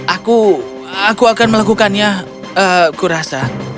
aku aku akan melakukannya kurasa